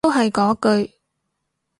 都係嗰句